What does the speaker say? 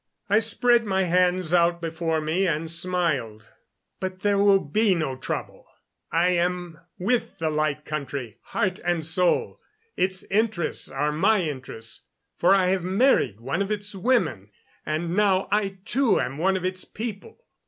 I spread my hands out before me and smiled. "But there will be no trouble. I am with the Light Country, heart and soul. Its interests are my interests, for I have married one of its women, and now I too am one of its people.